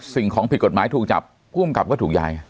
สิ่งของผิดกฎหมายถูกจับผู้อำกับก็ถูกย้าย